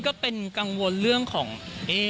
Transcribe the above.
ก็ค่อนข้างยังบางตาอยู่